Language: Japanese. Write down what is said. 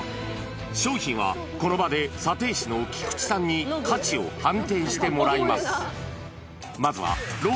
商品はこの場で査定士の菊地さんに価値を判定してもらいます。